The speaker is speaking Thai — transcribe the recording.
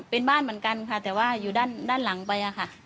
เป็นบ้านเหมือนกันค่ะแต่ว่าอยู่ด้านหลังไปอะค่ะ